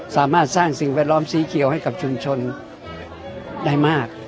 สามารถสร้างสิ่งแวดล้อมสีเขียวให้กับชุมชนได้มาก